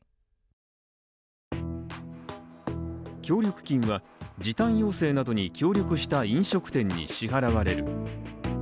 協力金は時短要請などに協力した飲食店に支払われる。